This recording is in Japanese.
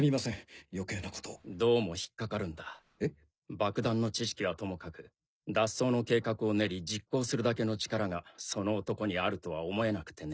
爆弾の知識はともかく脱走の計画を練り実行するだけの力がその男にあるとは思えなくてね。